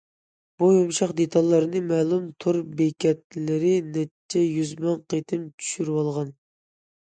بۇ يۇمشاق دېتاللارنى مەلۇم تور بېكەتلىرى نەچچە يۈز مىڭ قېتىم چۈشۈرۈۋالغان.